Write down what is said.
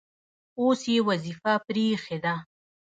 اوس یې وظیفه پرې ایښې ده.